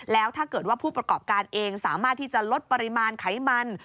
แล้วถ้าเกิดว่าผู้ประกอบการเองสามารถที่จะลดปริมาณไขมัน